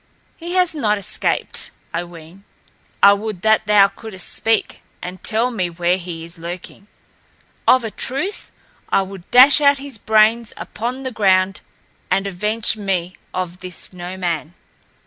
He has not escaped, I ween. I would that thou couldst speak and tell me where he is lurking. Of a truth I would dash out his brains upon the ground and avenge me of this No Man."